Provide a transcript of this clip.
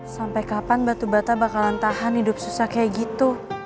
sampai kapan batu bata bakalan tahan hidup susah kayak gitu